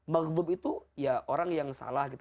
magdum itu ya orang yang salah gitu